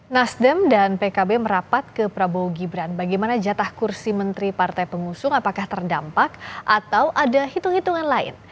nasdem dan pkb merapat ke prabowo gibran bagaimana jatah kursi menteri partai pengusung apakah terdampak atau ada hitung hitungan lain